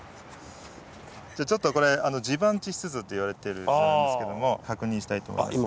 これ地盤地質図って言われてる図なんですけども確認したいと思います。